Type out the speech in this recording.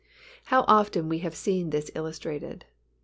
How often we have seen this illustrated.